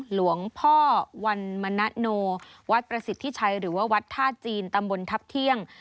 หลวงพ่อวันมณโนวัดประสิทธิชัยหรือว่าวัดท่าจีนตำบลทัพเที่ยง